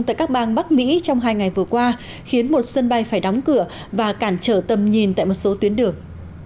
tại các bang bắc mỹ trong hai ngày vừa qua khiến một sân bay phải đóng cửa và cản trở tầm nhìn tại một số tuyến đường